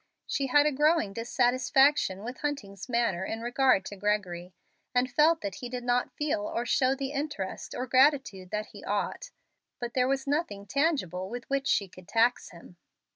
She had a growing dissatisfaction with Hunting's manner in regard to Gregory, and felt that he did not feel or show the interest or gratitude that he ought; but there was nothing tangible with which she could tax him.